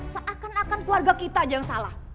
seakan akan keluarga kita aja yang salah